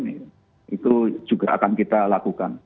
itu juga akan kita lakukan